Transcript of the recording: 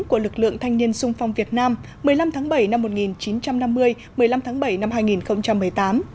của lực lượng thanh niên sung phong việt nam một mươi năm tháng bảy năm một nghìn chín trăm năm mươi một mươi năm tháng bảy năm hai nghìn một mươi tám